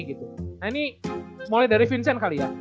nah ini mulai dari vincent kali ya